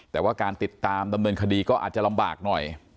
แต่ว่าการติดตามดำเนินคดีก็อาจจะลำบากหน่อย